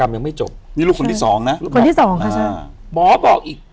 ยังไม่จบนี่ลูกคนที่สองนะลูกคนที่สองนะใช่หมอบอกอีก